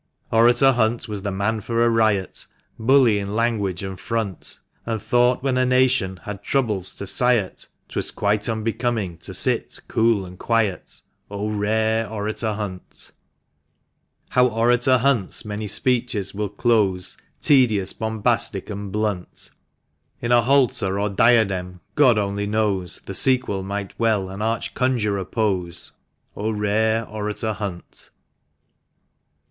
Orator Hunt was the man for a riot — Bully in language and front — And thought when a nation had troubles to sigh at, 'Twas quite unbecoming to sit cool and quiet, 0 rare Orator Hunt ! VIII. How Orator Hunt's many speeches will close Tedious, bombastic, and blunt— In a halter or diadem, God only knows : The sequel might well an arch conjurer pose. O rare Orator Hunt